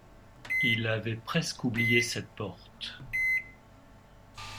Il avait presque oublié cette porte.